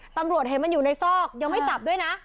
ตำรวจเห็นมันอยู่ในซอกยังไม่จับด้วยนะ